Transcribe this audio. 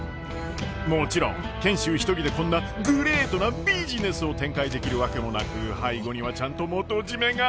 もちろん賢秀一人でこんなグレイトなビジネスを展開できるわけもなく背後にはちゃんと元締めが。